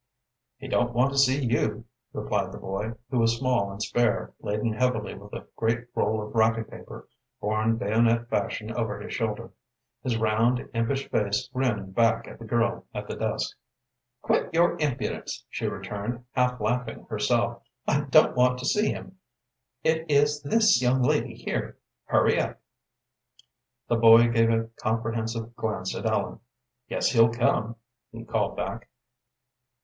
"He don't want to see you," replied the boy, who was small and spare, laden heavily with a great roll of wrapping paper borne bayonet fashion over his shoulder. His round, impish face grinned back at the girl at the desk. "Quit your impudence," she returned, half laughing herself. "I don't want to see him; it is this young lady here; hurry up." The boy gave a comprehensive glance at Ellen. "Guess he'll come," he called back.